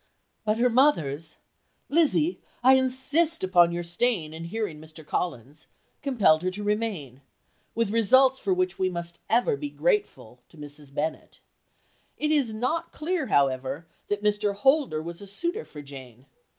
But her mother's, "Lizzy, I insist upon your staying and hearing Mr. Collins," compelled her to remain, with results for which we must ever be grateful to Mrs. Bennet. It is not clear, however, that Mr. Holder was a suitor for Jane.